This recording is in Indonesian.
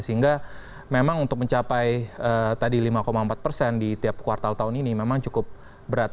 sehingga memang untuk mencapai tadi lima empat persen di tiap kuartal tahun ini memang cukup berat